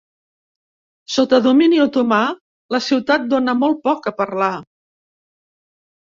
Sota domini otomà la ciutat dóna molt poc a parlar.